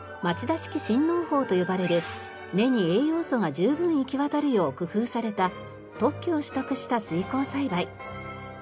町田式新農法と呼ばれる根に栄養素が十分行きわたるよう工夫された特許を取得した水耕栽培。